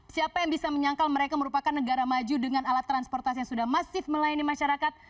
siapa yang bisa menyangkal mereka merupakan negara maju dengan alat transportasi yang sudah masif melayani masyarakat